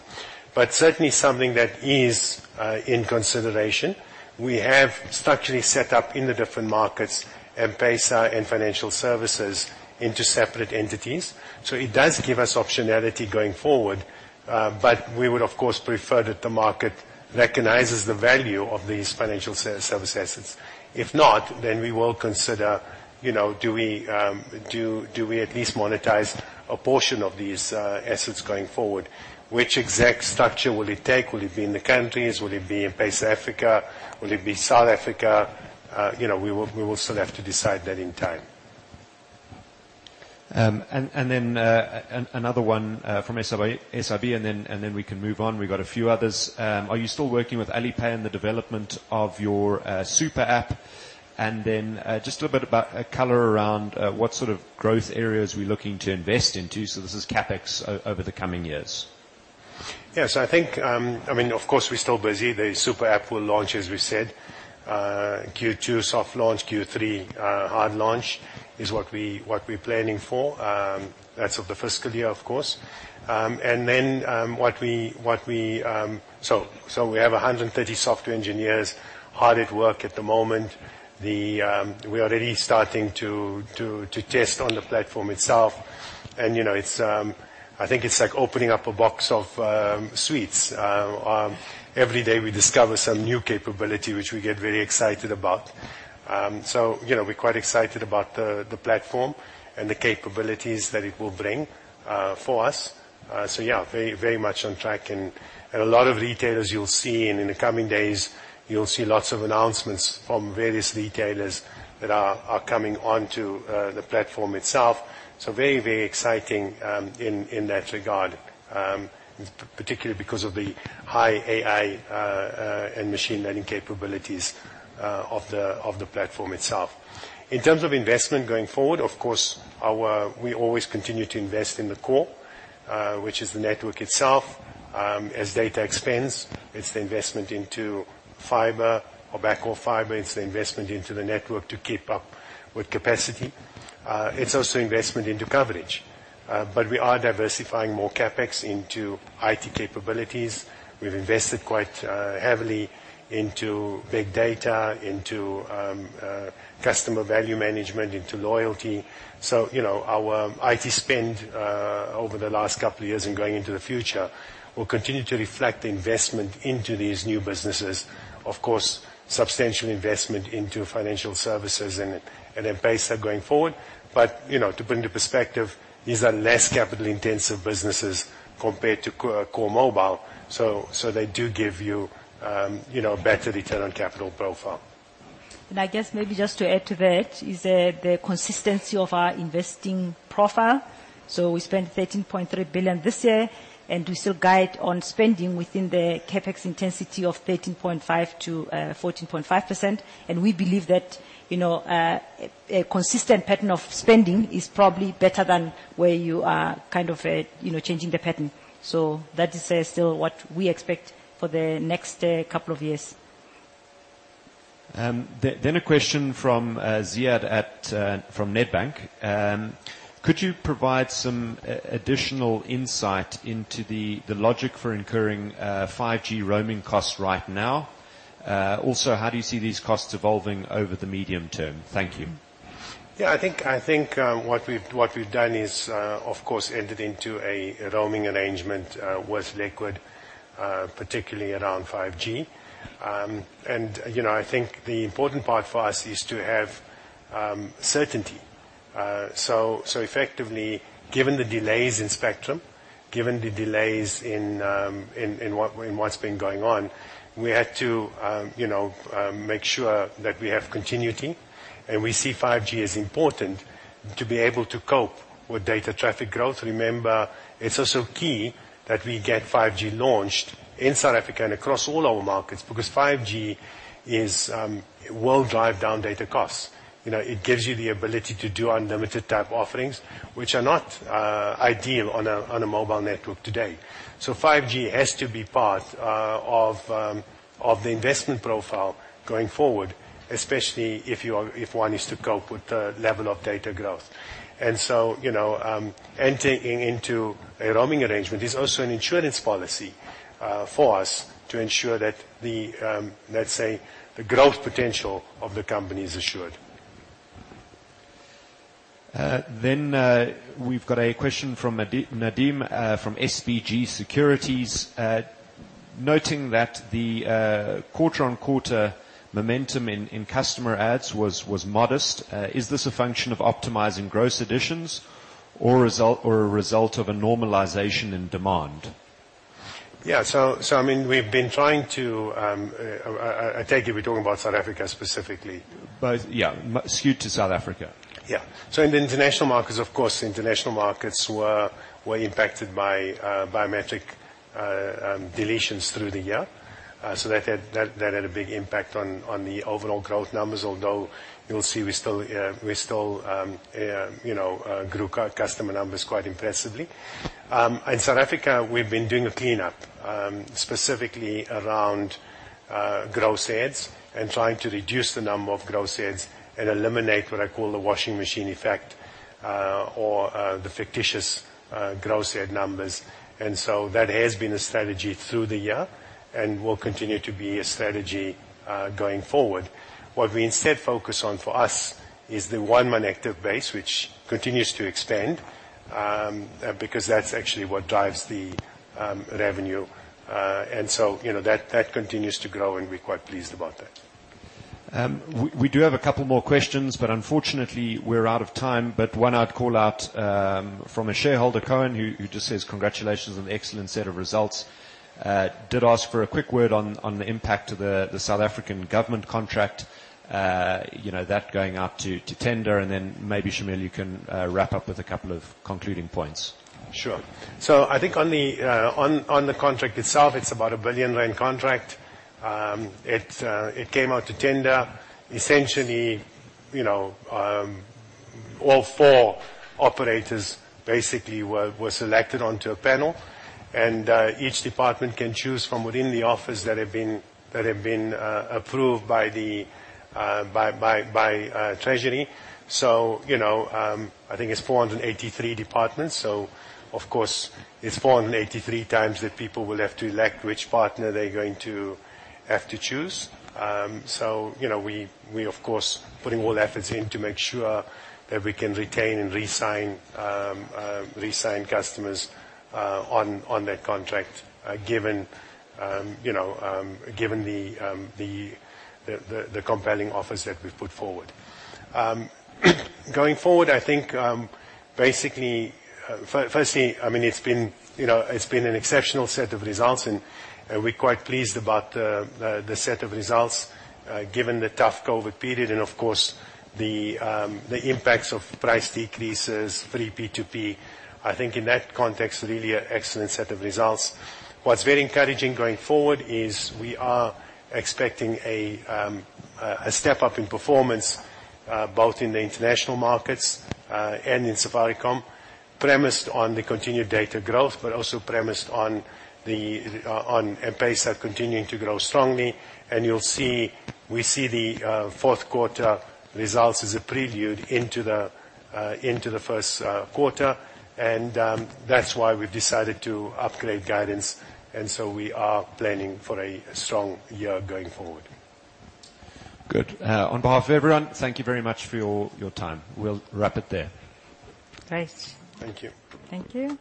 Certainly something that is in consideration. We have structurally set up in the different markets, M-PESA and financial services into separate entities. It does give us optionality going forward. We would, of course, prefer that the market recognizes the value of these financial service assets. If not, then we will consider, do we at least monetize a portion of these assets going forward? Which exact structure will it take? Will it be in the countries? Will it be in M-PESA Africa? Will it be South Africa? We will still have to decide that in time. Another one from SIB, and then we can move on. We've got a few others. Are you still working with Alipay on the development of your super app? Just a little bit about color around what sort of growth areas we're looking to invest into. This is CapEx over the coming years. Yeah. I think, of course, we're still busy. The super app will launch, as we said. Q2 soft launch, Q3 hard launch is what we're planning for. That's of the fiscal year, of course. We have 130 software engineers hard at work at the moment. We're already starting to test on the platform itself. I think it's like opening up a box of sweets. Every day we discover some new capability, which we get very excited about. We're quite excited about the platform and the capabilities that it will bring for us. Yeah, very much on track. A lot of retailers you'll see, and in the coming days, you'll see lots of announcements from various retailers that are coming onto the platform itself. Very exciting in that regard, particularly because of the high AI and machine learning capabilities of the platform itself. In terms of investment going forward, of course, we always continue to invest in the core, which is the network itself. As data expands, it is the investment into fiber or backhaul fiber, it is the investment into the network to keep up with capacity. It is also investment into coverage. We are diversifying more CapEx into IT capabilities. We've invested quite heavily into big data, into customer value management, into loyalty. Our IT spend over the last couple of years and going into the future will continue to reflect investment into these new businesses. Of course, substantial investment into financial services and M-PESA going forward. To put into perspective, these are less capital-intensive businesses compared to core mobile, they do give you a better return on capital profile. I guess maybe just to add to that is the consistency of our investing profile. We spent 13.3 billion this year, and we still guide on spending within the CapEx intensity of 13.5%-14.5%. We believe that a consistent pattern of spending is probably better than where you are changing the pattern. That is still what we expect for the next couple of years. A question from Ziyad from Nedbank. Could you provide some additional insight into the logic for incurring 5G roaming costs right now? How do you see these costs evolving over the medium term? Thank you. Yeah, I think what we've done is, of course, entered into a roaming arrangement with Liquid, particularly around 5G. I think the important part for us is to have certainty. Effectively, given the delays in spectrum, given the delays in what's been going on, we had to make sure that we have continuity. We see 5G as important to be able to cope with data traffic growth. Remember, it's also key that we get 5G launched in South Africa and across all our markets, because 5G will drive down data costs. It gives you the ability to do unlimited type offerings, which are not ideal on a mobile network today. 5G has to be part of the investment profile going forward, especially if one is to cope with the level of data growth. Entering into a roaming arrangement is also an insurance policy for us to ensure that the, let's say, the growth potential of the company is assured. We've got a question from Nadim from SBG Securities. Noting that the quarter-on-quarter momentum in customer adds was modest, is this a function of optimizing gross additions or a result of a normalization in demand? Yeah. I take it you're talking about South Africa specifically. Yeah, skewed to South Africa. In the international markets, of course, international markets were impacted by biometric deletions through the year. That had a big impact on the overall growth numbers, although you'll see we still grew customer numbers quite impressively. In South Africa, we've been doing a cleanup, specifically around gross adds and trying to reduce the number of gross adds and eliminate what I call the washing machine effect, or the fictitious gross add numbers. That has been the strategy through the year and will continue to be a strategy going forward. What we instead focus on for us is the one month active base, which continues to extend, because that's actually what drives the revenue. That continues to grow, and we're quite pleased about that. We do have a couple more questions, but unfortunately, we're out of time. One I'd call out from a shareholder, Cohen, who just says congratulations on the excellent set of results. Did ask for a quick word on the impact of the South African government contract, that going out to tender, and then maybe, Shameel, you can wrap up with a couple of concluding points. Sure. I think on the contract itself, it is about a 1 billion rand contract. It came out to tender. Essentially, all four operators basically were selected onto a panel, and each department can choose from within the offers that have been approved by Treasury. I think it is 483 departments, so of course, it is 483 times that people will have to elect which partner they are going to have to choose. We, of course, putting all efforts in to make sure that we can retain and re-sign customers on that contract, given the compelling offers that we have put forward. Going forward, I think basically, firstly, it has been an exceptional set of results, and we are quite pleased about the set of results, given the tough COVID-19 period and, of course, the impacts of price decreases, free P2P. I think in that context, really an excellent set of results. What's very encouraging going forward is we are expecting a step-up in performance, both in the international markets and in Safaricom, premised on the continued data growth, but also premised on M-Pesa continuing to grow strongly. You'll see, we see the fourth quarter results as a preview into the first quarter, and that's why we decided to upgrade guidance. We are planning for a strong year going forward. Good. On behalf of everyone, thank you very much for your time. We'll wrap it there. Thanks. Thank you. Thank you.